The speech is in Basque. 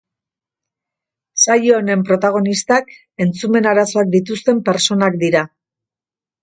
Saio honen protagonistak entzumen arazoak dituzten pertsonak dira.